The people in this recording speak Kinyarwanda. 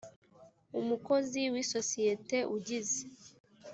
umukozi w isosiyete ugize